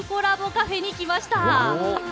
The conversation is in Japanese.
カフェに来ました。